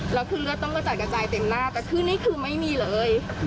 แล้วคือเลือดต้องกระจัดกระจายเต็มหน้าแต่คืนนี้คือไม่มีเลย